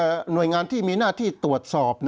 ผมคิดว่าหน่วยงานที่มีหน้าที่ตรวจสอบ